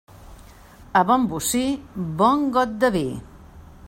A bon bocí, bon got de vi.